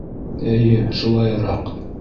Эйе, шулайыраҡ...